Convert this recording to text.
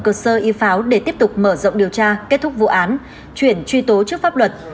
cơ sơ y pháo để tiếp tục mở rộng điều tra kết thúc vụ án chuyển truy tố trước pháp luật